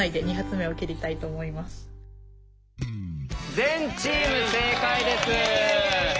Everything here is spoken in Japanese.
全チーム正解です。